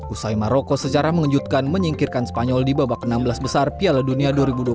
usai maroko secara mengejutkan menyingkirkan spanyol di babak enam belas besar piala dunia dua ribu dua puluh